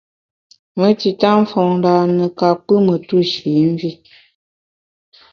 Me tita mfôn râne ka pkù tù nshî mvi.